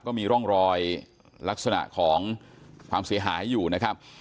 ก็มีร่องรอยลักษณะของความเสียหายอยู่นะครับ